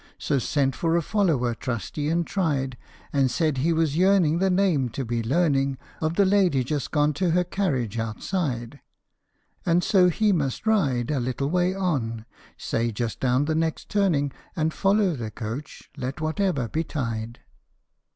So sent for a follower trusty and tried, And said he was yearning the name to be learning Of the lady just gone to her carriage outside ; And so he must ride A little way on say just down the next turning And follow the coach, let whatever betide